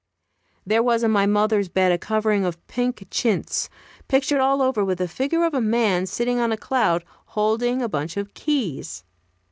There was on my mother's bed a covering of pink chintz, pictured all over with the figure of a man sitting on a cloud, holding a bunch of keys.